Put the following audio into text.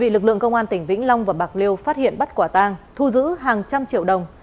bị lực lượng công an tỉnh vĩnh long và bạc liêu phát hiện bắt quả tang thu giữ hàng trăm triệu đồng